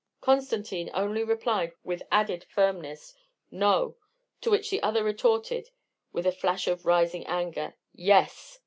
Constantine only replied with added firmness, "No," to which the other retorted with a flash of rising anger, "_Yes!